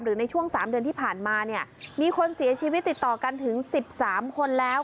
ในช่วง๓เดือนที่ผ่านมาเนี่ยมีคนเสียชีวิตติดต่อกันถึง๑๓คนแล้ว